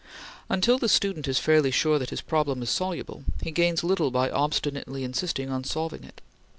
Until the student is fairly sure that his problem is soluble, he gains little by obstinately insisting on solving it.